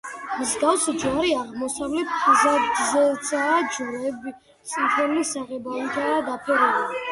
მსგავსი ჯვარი აღმოსავლეთ ფასადზეცაა, ჯვრები წითელი საღებავითაა დაფერილი.